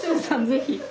ぜひ。